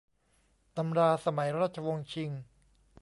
ตำราสมัยราชวงศ์ชิง